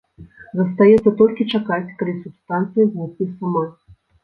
Застаецца толькі чакаць, калі субстанцыя знікне сама.